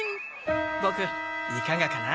ボクいかがかな？